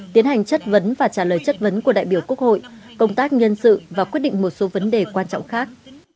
tiến hành chất vấn và trả lời chất vấn của đại biểu quốc hội công tác nhân sự và quyết định một số vấn đề quan trọng khác